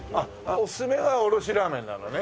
おすすめはおろしラーメンなのね。